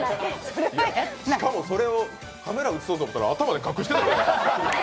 しかも、それをカメラ映そうと思ったら頭で隠してたから。